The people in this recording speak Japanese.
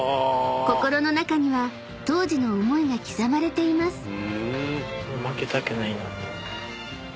［心の中には当時の思いが刻まれています］